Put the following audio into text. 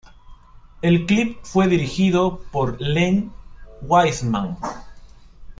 El clip fue dirigido por Len Wiseman.